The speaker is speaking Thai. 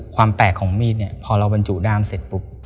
ความแตกของมีดพอเราบรรจุด้ามเสร็จ